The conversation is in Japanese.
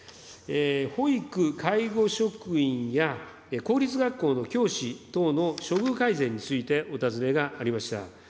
保育、介護職員や公立学校の教師等の処遇改善についてお尋ねがありました。